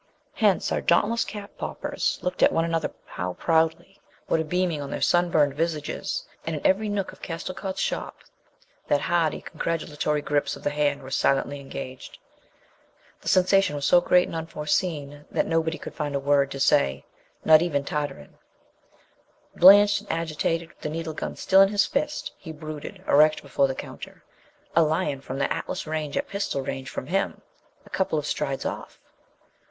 Hence our dauntless cap poppers looked at one another how proudly! What a beaming on their sunburned visages! and in every nook of Costecalde's shop what hearty congratulatory grips of the hand were silently exchanged! The sensation was so great and unforeseen that nobody could find a word to say not even Tartarin. Blanched and agitated, with the needle gun still in his fist, he brooded, erect before the counter. A lion from the Atlas Range at pistol range from him, a couple of strides off?